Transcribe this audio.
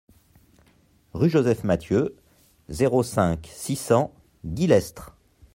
Rue Joseph Mathieu, zéro cinq, six cents Guillestre